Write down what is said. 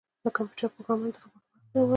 د کمپیوټر پروګرامونه د روبوټ مغز جوړوي.